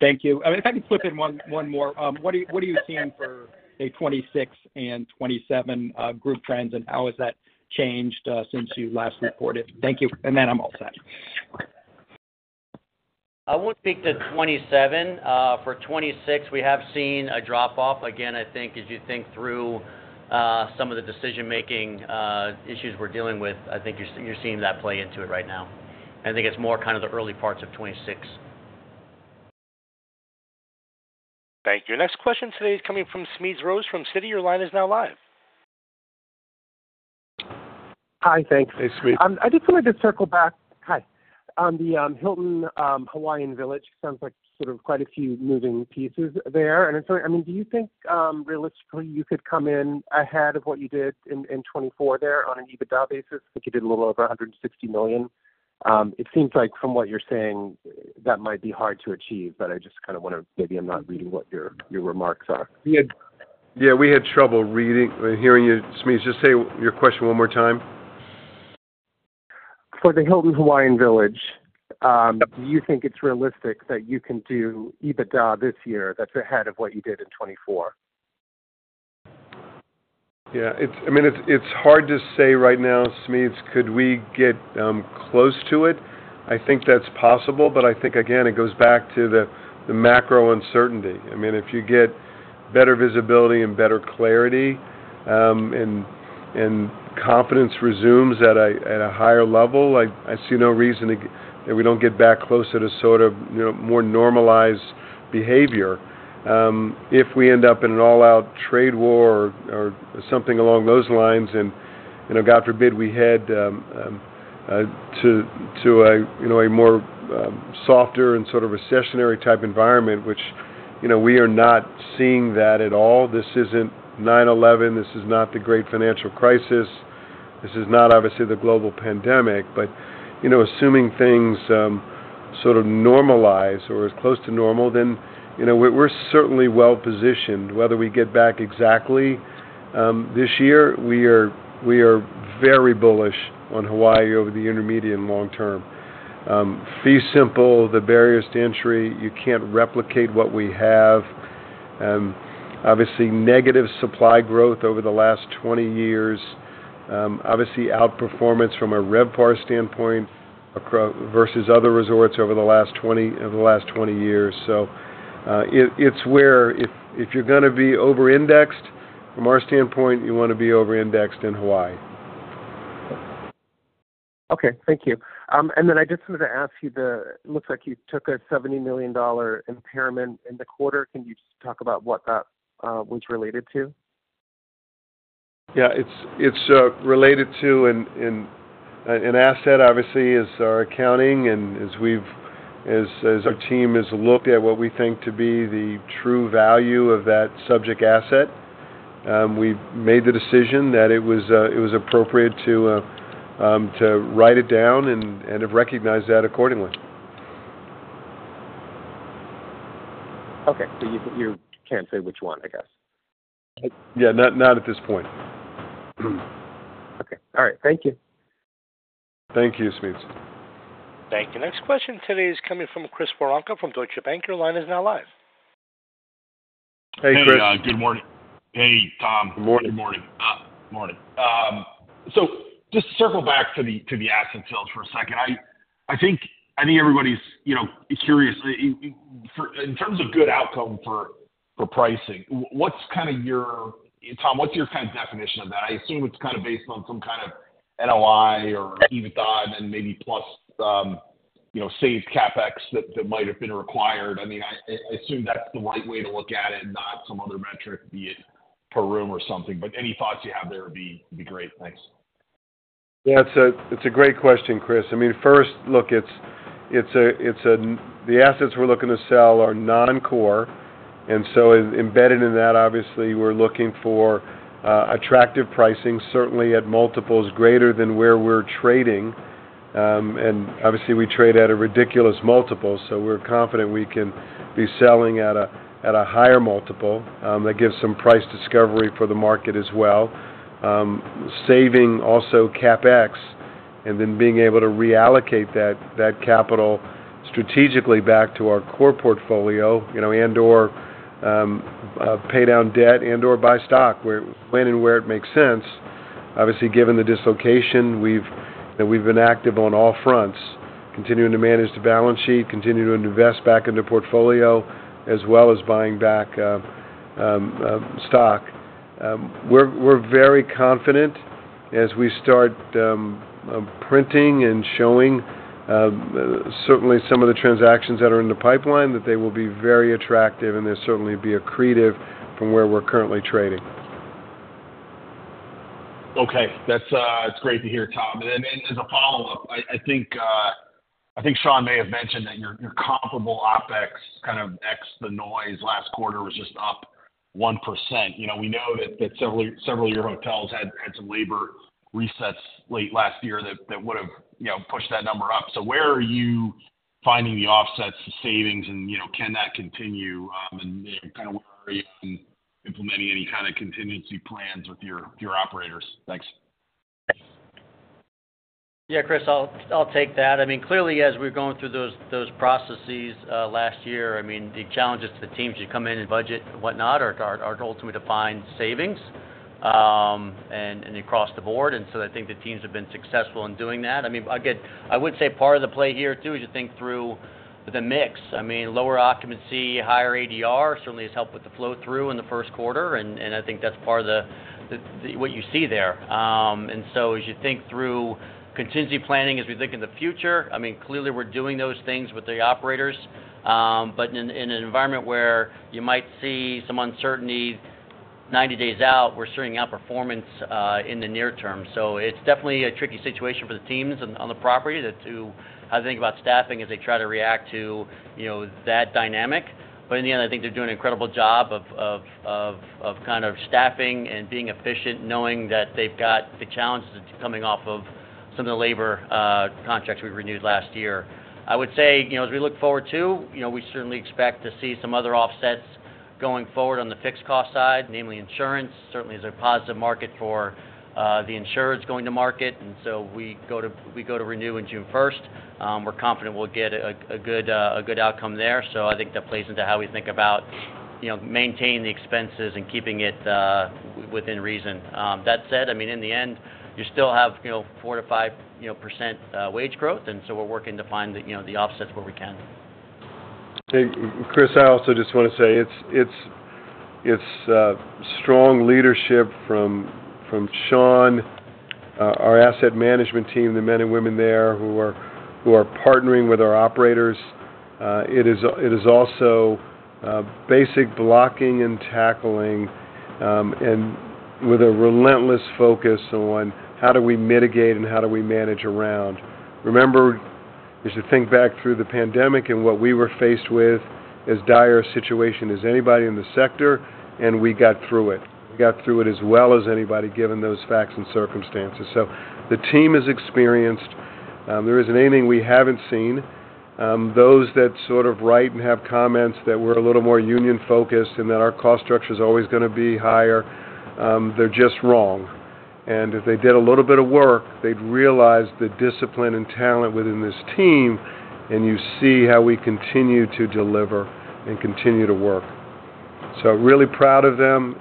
Thank you. I mean, if I can slip in one more. What are you seeing for the 2026 and 2027 group trends and how has that changed since you last reported? Thank you. I am all set. I will not speak to 2027. For 2026, we have seen a drop-off. Again, I think as you think through some of the decision-making issues we are dealing with, I think you are seeing that play into it right now. I think it is more kind of the early parts of 2026. Thank you. Next question today is coming from Smedes Rose from Citi. Your line is now live. Hi. Thanks. Hey, Smedes. I just wanted to circle back. Hi. On the Hilton Hawaiian Village, it sounds like sort of quite a few moving pieces there. I mean, do you think realistically you could come in ahead of what you did in 2024 there on an EBITDA basis? I think you did a little over $160 million. It seems like from what you're saying, that might be hard to achieve, but I just kind of want to, maybe I'm not reading what your remarks are. Yeah, we had trouble hearing you. Smedes, just say your question one more time. For the Hilton Hawaiian Village, do you think it's realistic that you can do EBITDA this year that's ahead of what you did in 2024? Yeah. I mean, it's hard to say right now, Smedes, could we get close to it? I think that's possible. I think, again, it goes back to the macro uncertainty. I mean, if you get better visibility and better clarity and confidence resumes at a higher level, I see no reason that we don't get back closer to sort of more normalized behavior. If we end up in an all-out trade war or something along those lines and God forbid we head to a more softer and sort of recessionary type environment, which we are not seeing that at all. This is not 9/11. This is not the great financial crisis. This is not, obviously, the global pandemic. Assuming things sort of normalize or are close to normal, then we're certainly well-positioned. Whether we get back exactly this year, we are very bullish on Hawaii over the intermediate and long term. Fee simple, the barriers to entry, you can't replicate what we have. Obviously, negative supply growth over the last 20 years. Obviously, outperformance from a RevPAR standpoint versus other resorts over the last 20 years. It's where if you're going to be over-indexed, from our standpoint, you want to be over-indexed in Hawaii. Okay. Thank you. I just wanted to ask you, it looks like you took a $70 million impairment in the quarter. Can you just talk about what that was related to? Yeah. It's related to an asset, obviously, is our accounting. And as our team has looked at what we think to be the true value of that subject asset, we made the decision that it was appropriate to write it down and have recognized that accordingly. Okay. So you can't say which one, I guess. Yeah. Not at this point. Okay. All right. Thank you. Thank you, Smedes. Thank you. Next question today is coming from Chris Woronka from Deutsche Bank. Your line is now live. Hey, Chris. Hey, Tom. Good morning. Good morning. Just to circle back to the asset sales for a second, I think everybody's curious. In terms of good outcome for pricing, what's kind of your, Tom, what's your kind of definition of that? I assume it's kind of based on some kind of NOI or EBITDA and then maybe plus saved CapEx that might have been required. I mean, I assume that's the right way to look at it, not some other metric, be it per room or something. Any thoughts you have there would be great. Thanks. Yeah. It's a great question, Chris. I mean, first, look, the assets we're looking to sell are non-core. Embedded in that, obviously, we're looking for attractive pricing, certainly at multiples greater than where we're trading. Obviously, we trade at a ridiculous multiple. We're confident we can be selling at a higher multiple. That gives some price discovery for the market as well. Saving also CapEx and then being able to reallocate that capital strategically back to our core portfolio and/or pay down debt and/or buy stock when and where it makes sense. Obviously, given the dislocation, we've been active on all fronts, continuing to manage the balance sheet, continuing to invest back into portfolio, as well as buying back stock. We're very confident as we start printing and showing certainly some of the transactions that are in the pipeline that they will be very attractive and they'll certainly be accretive from where we're currently trading. Okay. That's great to hear, Tom. As a follow-up, I think Sean may have mentioned that your comparable OpEx kind of X the noise. Last quarter was just up 1%. We know that several of your hotels had some labor resets late last year that would have pushed that number up. Where are you finding the offsets, the savings, and can that continue? Kind of where are you implementing any kind of contingency plans with your operators? Thanks. Yeah, Chris, I'll take that. I mean, clearly, as we're going through those processes last year, the challenges to the teams who come in and budget and whatnot are ultimately to find savings across the board. I think the teams have been successful in doing that. Again, I would say part of the play here too is you think through the mix. Lower occupancy, higher ADR certainly has helped with the flow-through in the first quarter. I think that's part of what you see there. As you think through contingency planning, as we think in the future, clearly we're doing those things with the operators. In an environment where you might see some uncertainty 90 days out, we're certainly outperformance in the near term. It's definitely a tricky situation for the teams on the property to how they think about staffing as they try to react to that dynamic. In the end, I think they're doing an incredible job of kind of staffing and being efficient, knowing that they've got the challenges coming off of some of the labor contracts we renewed last year. I would say as we look forward too, we certainly expect to see some other offsets going forward on the fixed cost side, namely insurance. Certainly, it's a positive market for the insurance going to market. We go to renew on June 1. We're confident we'll get a good outcome there. I think that plays into how we think about maintaining the expenses and keeping it within reason. That said, I mean, in the end, you still have 4%-5% wage growth. And so we're working to find the offsets where we can. Chris, I also just want to say it's strong leadership from Sean, our asset management team, the men and women there who are partnering with our operators. It is also basic blocking and tackling and with a relentless focus on how do we mitigate and how do we manage around. Remember, as you think back through the pandemic and what we were faced with as dire a situation as anybody in the sector, and we got through it. We got through it as well as anybody given those facts and circumstances. So the team is experienced. There isn't anything we haven't seen. Those that sort of write and have comments that we're a little more union-focused and that our cost structure is always going to be higher, they're just wrong. If they did a little bit of work, they'd realize the discipline and talent within this team, and you see how we continue to deliver and continue to work. Really proud of them.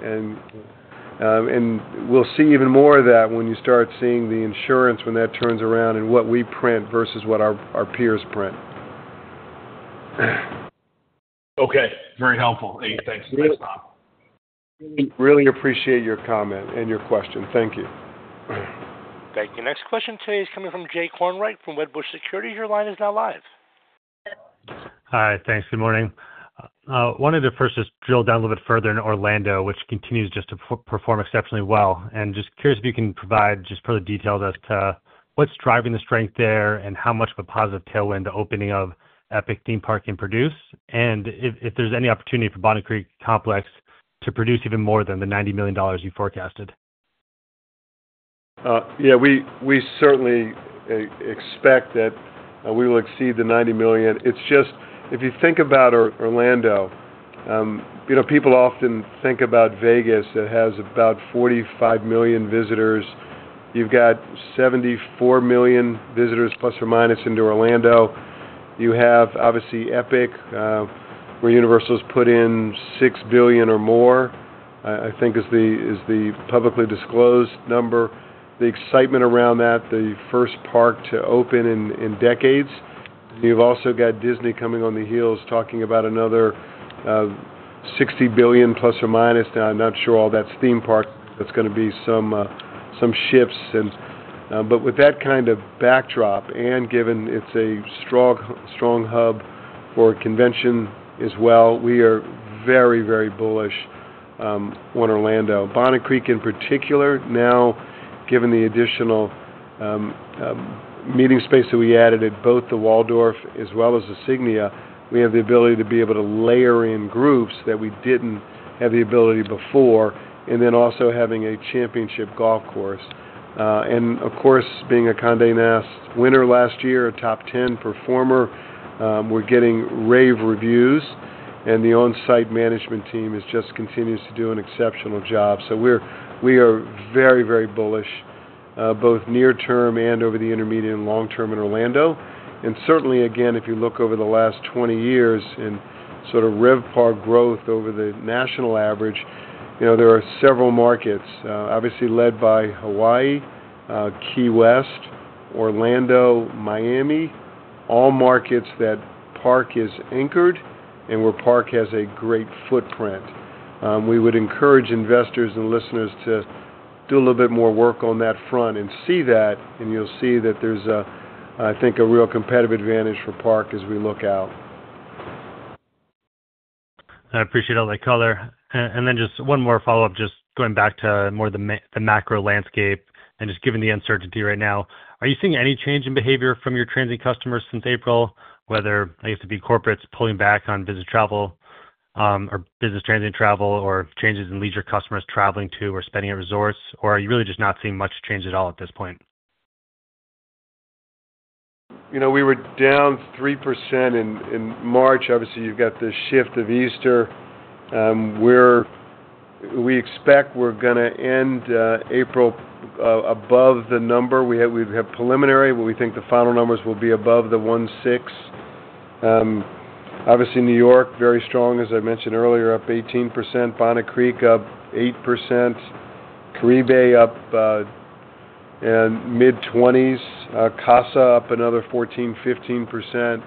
We'll see even more of that when you start seeing the insurance when that turns around and what we print versus what our peers print. Okay. Very helpful. Thanks, Tom. Really appreciate your comment and your question. Thank you. Thank you. Next question today is coming from Jay Kornreich from Wedbush Securities. Your line is now live. Hi. Thanks. Good morning. I wanted to first just drill down a little bit further in Orlando, which continues just to perform exceptionally well. Just curious if you can provide just further details as to what's driving the strength there and how much of a positive tailwind the opening of Epic Theme Park can produce and if there's any opportunity for Bonnet Creek complex to produce even more than the $90 million you forecasted. Yeah. We certainly expect that we will exceed the $90 million. If you think about Orlando, people often think about Vegas that has about 45 million visitors. You've got 74 million visitors plus or minus into Orlando. You have, obviously, Epic, where Universal has put in $6 billion or more, I think is the publicly disclosed number. The excitement around that, the first park to open in decades. You've also got Disney coming on the heels talking about another ±$60 billion. Now, I'm not sure all that's theme park. is going to be some shifts. With that kind of backdrop and given it is a strong hub for convention as well, we are very, very bullish on Orlando. Bonnet Creek, in particular, now, given the additional meeting space that we added at both the Waldorf as well as the Signia, we have the ability to be able to layer in groups that we did not have the ability before and then also having a championship golf course. Of course, being a Condé Nast winner last year, a top 10 performer, we are getting rave reviews. The on-site management team just continues to do an exceptional job. We are very, very bullish both near-term and over the intermediate and long term in Orlando. Certainly, again, if you look over the last 20 years in sort of RevPAR growth over the national average, there are several markets, obviously led by Hawaii, Key West, Orlando, Miami, all markets that Park is anchored and where Park has a great footprint. We would encourage investors and listeners to do a little bit more work on that front and see that. You will see that there is, I think, a real competitive advantage for Park as we look out. I appreciate all that color. Just one more follow-up, just going back to more of the macro landscape and just given the uncertainty right now, are you seeing any change in behavior from your transient customers since April, whether it is the corporates pulling back on business travel or business transient travel or changes in leisure customers traveling to or spending at resorts? Are you really just not seeing much change at all at this point? We were down -3% in March. Obviously, you've got the shift of Easter. We expect we're going to end April above the number. We have preliminary, but we think the final numbers will be above the 1.6. Obviously, New York, very strong, as I mentioned earlier, up 18%. Bonnet Creek, up 8%. Caribe, up mid-20s. Casa, up another 14-15%.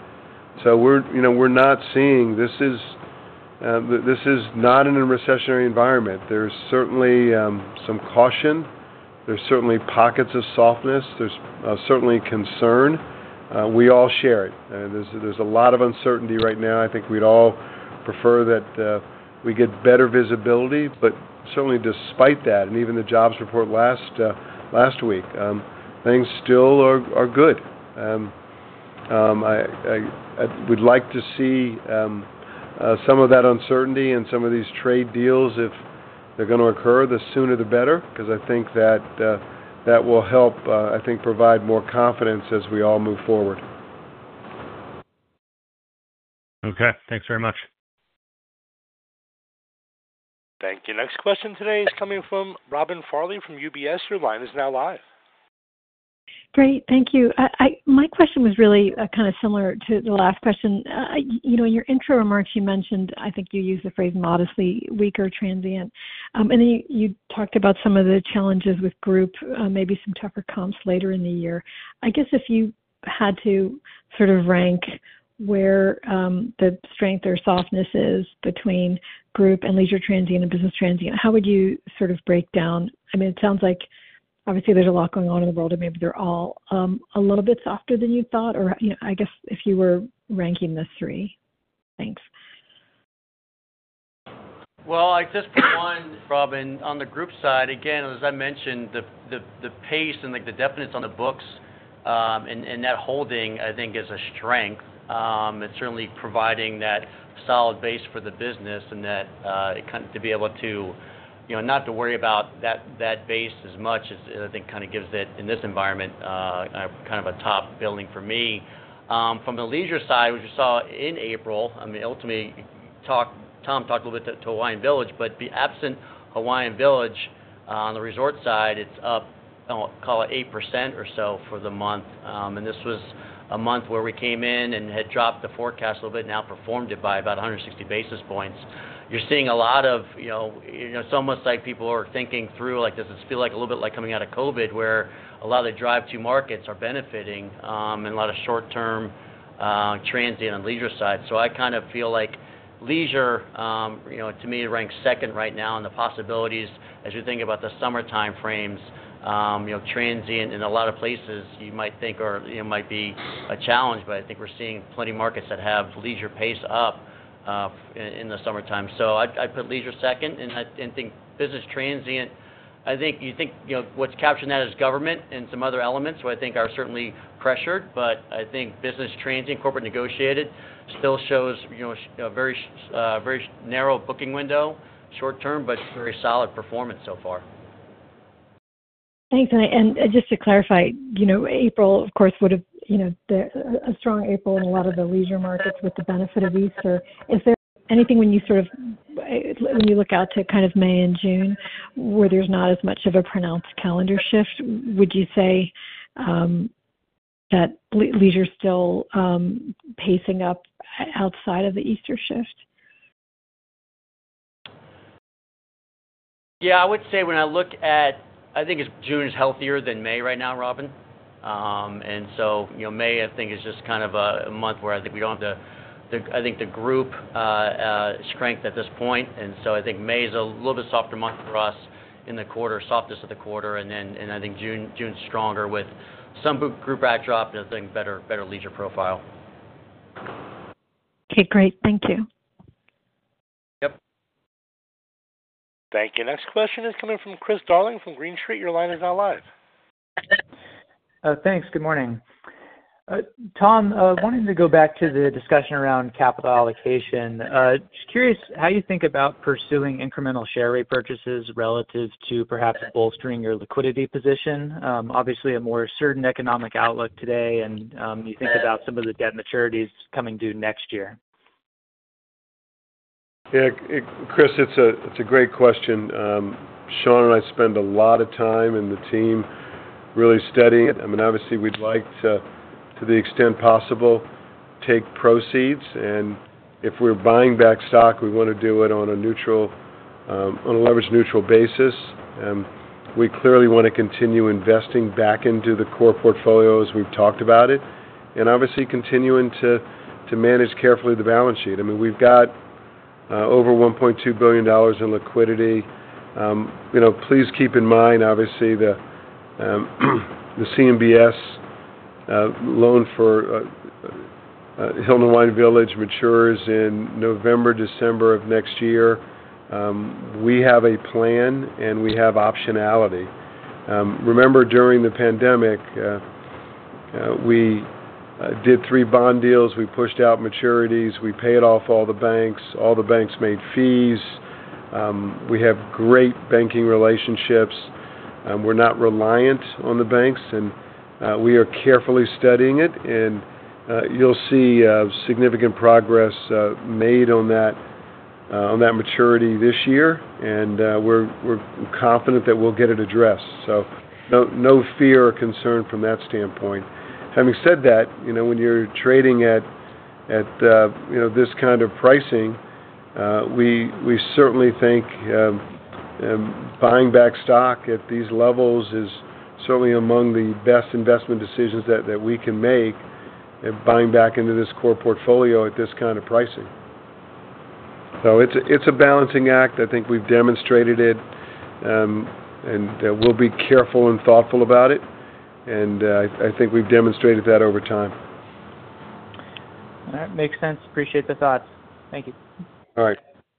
We are not seeing this is not in a recessionary environment. There is certainly some caution. There are certainly pockets of softness. There is certainly concern. We all share it. There is a lot of uncertainty right now. I think we'd all prefer that we get better visibility. Certainly, despite that, and even the jobs report last week, things still are good. I would like to see some of that uncertainty and some of these trade deals, if they're going to occur, the sooner the better, because I think that will help, I think, provide more confidence as we all move forward. Okay. Thanks very much. Thank you. Next question today is coming from Robin Farley from UBS. Your line is now live. Great. Thank you. My question was really kind of similar to the last question. In your intro remarks, you mentioned, I think you used the phrase modestly weak or transient. And then you talked about some of the challenges with group, maybe some tougher comps later in the year. I guess if you had to sort of rank where the strength or softness is between group and leisure transient and business transient, how would you sort of break down? I mean, it sounds like, obviously, there's a lot going on in the world, and maybe they're all a little bit softer than you thought, or I guess if you were ranking the three. Thanks. I guess for one, Robin, on the group side, again, as I mentioned, the pace and the definites on the books and that holding, I think, is a strength. It's certainly providing that solid base for the business and that to be able to not to worry about that base as much as I think kind of gives it, in this environment, kind of a top billing for me. From the leisure side, which we saw in April, I mean, ultimately, Tom talked a little bit to Hawaiian Village, but the absent Hawaiian Village on the resort side, it's up, I'll call it 8% or so for the month. This was a month where we came in and had dropped the forecast a little bit and outperformed it by about 160 basis points. You're seeing a lot of it's almost like people are thinking through, like, does this feel like a little bit like coming out of COVID, where a lot of the drive-to markets are benefiting and a lot of short-term transient on leisure side. I kind of feel like leisure, to me, ranks second right now in the possibilities as you're thinking about the summertime frames. Transient in a lot of places you might think might be a challenge, but I think we're seeing plenty of markets that have leisure pace up in the summertime. I put leisure second, and I think business transient, I think you think what's capturing that is government and some other elements where I think are certainly pressured. I think business transient, corporate negotiated still shows a very narrow booking window, short-term, but very solid performance so far. Thanks. Just to clarify, April, of course, would have a strong April in a lot of the leisure markets with the benefit of Easter. Is there anything when you sort of when you look out to kind of May and June where there is not as much of a pronounced calendar shift, would you say that leisure is still pacing up outside of the Easter shift? Yeah. I would say when I look at, I think June is healthier than May right now, Robin. May, I think, is just kind of a month where I think we do not have the, I think, the group strength at this point. I think May is a little bit softer month for us in the quarter, softest of the quarter. I think June is stronger with some group backdrop and I think better leisure profile. Okay. Great. Thank you. Yep. Thank you. Next question is coming from Chris Darling from Green Street. Your line is now live. Thanks. Good morning. Tom, wanting to go back to the discussion around capital allocation, just curious how you think about pursuing incremental share repurchases relative to perhaps bolstering your liquidity position. Obviously, a more certain economic outlook today, and you think about some of the debt maturities coming due next year. Yeah. Chris, it's a great question. Sean and I spend a lot of time and the team really studying it. I mean, obviously, we'd like to, to the extent possible, take proceeds. If we're buying back stock, we want to do it on a leveraged neutral basis. We clearly want to continue investing back into the core portfolio as we've talked about it and obviously continuing to manage carefully the balance sheet. I mean, we've got over $1.2 billion in liquidity. Please keep in mind, obviously, the CMBS loan for Hilton Hawaiian Village matures in November, December of next year. We have a plan, and we have optionality. Remember, during the pandemic, we did three bond deals. We pushed out maturities. We paid off all the banks. All the banks made fees. We have great banking relationships. We're not reliant on the banks, and we are carefully studying it. You'll see significant progress made on that maturity this year. We're confident that we'll get it addressed. No fear or concern from that standpoint. Having said that, when you're trading at this kind of pricing, we certainly think buying back stock at these levels is certainly among the best investment decisions that we can make and buying back into this core portfolio at this kind of pricing. It's a balancing act. I think we've demonstrated it, and we'll be careful and thoughtful about it. I think we've demonstrated that over time. That makes sense. Appreciate the thoughts. Thank you. All right.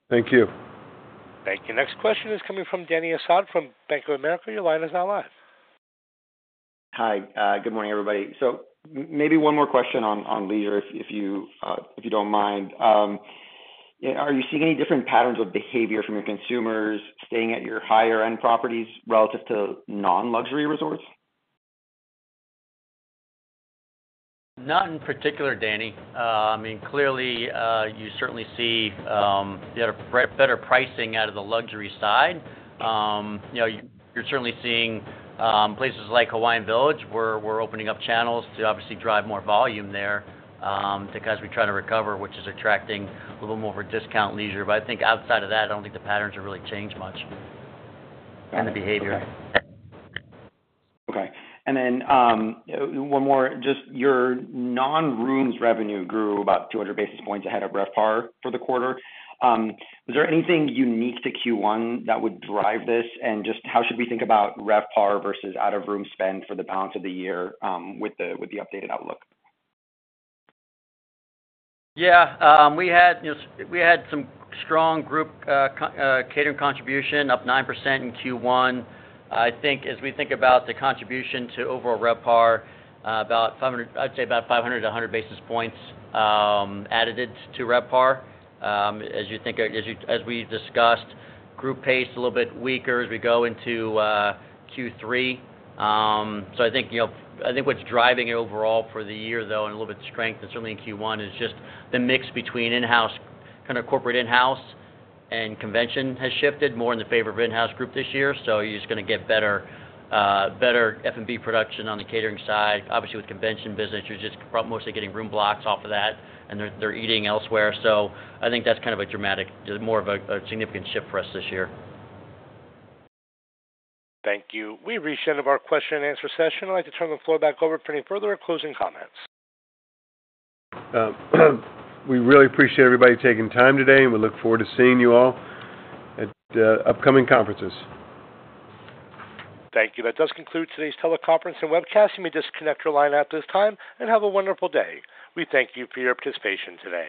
Thank you. Thank you. Next question is coming from Dany Asad from Bank of America. Your line is now live. Hi. Good morning, everybody. Maybe one more question on leisure, if you don't mind. Are you seeing any different patterns of behavior from your consumers staying at your higher-end properties relative to non-luxury resorts? Not in particular, Dany. I mean, clearly, you certainly see better pricing out of the luxury side. You're certainly seeing places like Hawaiian Village where we're opening up channels to obviously drive more volume there because we're trying to recover, which is attracting a little more for discount leisure. I think outside of that, I don't think the patterns have really changed much in the behavior. Okay. One more. Just your non-rooms revenue grew about 200 basis points ahead of RevPAR for the quarter. Is there anything unique to Q1 that would drive this? Just how should we think about RevPAR versus out-of-room spend for the balance of the year with the updated outlook? Yeah. We had some strong group catering contribution, up 9% in Q1. I think as we think about the contribution to overall RevPAR, about 500, I'd say about 500 basis points-100 basis points added to RevPAR, as you think, as we discussed, group pace a little bit weaker as we go into Q3. I think what's driving it overall for the year, though, and a little bit strength, and certainly in Q1, is just the mix between in-house, kind of corporate in-house and convention has shifted more in the favor of in-house group this year. You're just going to get better F&B production on the catering side. Obviously, with convention business, you're just mostly getting room blocks off of that, and they're eating elsewhere. I think that's kind of a dramatic, more of a significant shift for us this year. Thank you. We've reached the end of our question-and-answer session. I'd like to turn the floor back over for any further closing comments. We really appreciate everybody taking time today, and we look forward to seeing you all at upcoming conferences. Thank you. That does conclude today's teleconference and webcast. You may disconnect your line at this time and have a wonderful day. We thank you for your participation today.